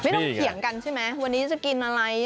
ไม่ต้องเขียนกันใช่ไหมวันนี้จะกินอะไร